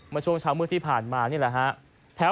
มาช่วงเช้าเมื่อที่ผ่านมานี่แหละฮะ